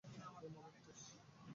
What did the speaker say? ধন্যবাদ, টেস।